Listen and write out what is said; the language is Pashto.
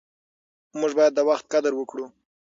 موږ باید د وخت قدر وکړو.